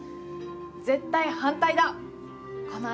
絶対反対だ！